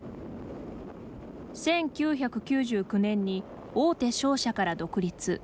１９９９年に大手商社から独立。